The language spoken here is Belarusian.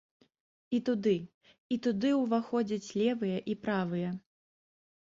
І туды, і туды ўваходзяць левыя і правыя.